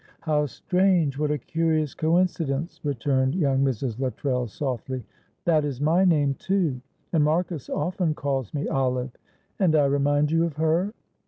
"How strange! What a curious coincidence!" returned young Mrs. Luttrell, softly. "That is my name too, and Marcus often calls me Olive; and I remind you of her?"